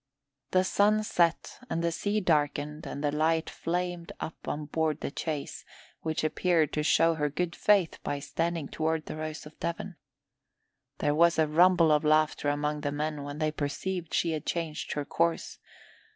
The sun set and the sea darkened and a light flamed up on board the chase, which appeared to show her good faith by standing toward the Rose of Devon. There was a rumble of laughter among the men when they perceived she had changed her course.